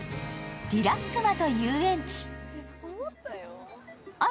「リラックマと遊園地」。